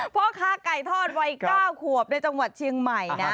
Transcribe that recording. พ่อค้าไก่ทอดวัย๙ขวบในจังหวัดเชียงใหม่นะ